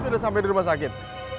aku udah sampe di rumah sakit